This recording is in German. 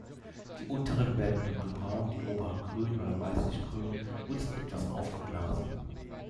Die unteren werden dunkelbraun, die oberen grün oder weißlich-grün und sind etwas aufgeblasen.